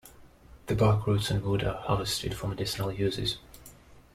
The bark, roots and wood are harvested for medicinal uses.